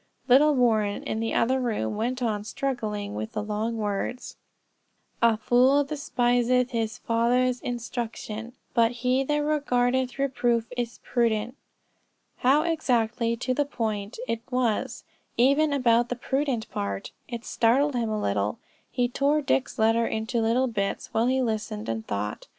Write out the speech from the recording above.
Little Warren, in the other room, went on struggling with the long words, "A fool despiseth his father's instruction: but he that regardeth reproof is prudent." How exactly to the point it was, even about the prudent part. It startled him a little. He tore Dick's letter into little bits, while he listened and thought.